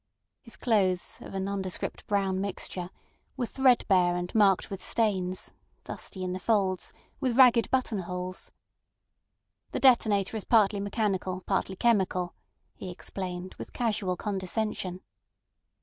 His clothes, of a nondescript brown mixture, were threadbare and marked with stains, dusty in the folds, with ragged button holes. "The detonator is partly mechanical, partly chemical," he explained, with casual condescension.